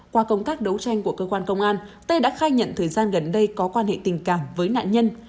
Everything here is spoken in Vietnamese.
qua công tác đấu tranh của cơ quan công an tê đã khai nhận thời gian gần đây có quan hệ tình cảm với nạn nhân